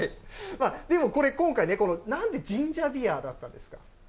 でもこれ、今回ね、なんでジンジャービアだったんですか？